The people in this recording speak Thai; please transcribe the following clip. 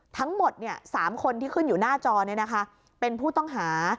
ทั้งหมดเนี่ยสามคนที่ขึ้นอยู่หน้าจอเนี่ยนะคะเป็นผู้ต้องหา